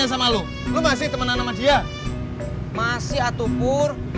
salah setelah minum